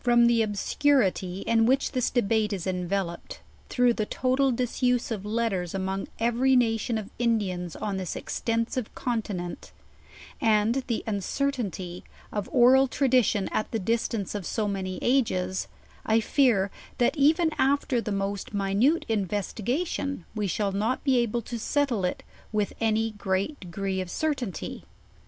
From the obscurity in which this debate is envel oped, through the total disuse of letters among every nation of Indians oa this extensive continent, and the uncer tainty of oral tradition at the distance of so many ages, I fear, that even after the most minute investigation, we shall not be able to settle it with any great degree of certainty.